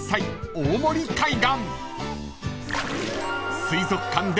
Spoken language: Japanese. ［大森海岸］